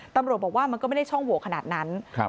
ตำรวจบอกว่ามันก็ไม่ได้ช่องโหวกขนาดนั้น